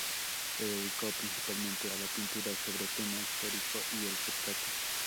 Se dedicó principalmente a la pintura sobre tema histórico y el retrato.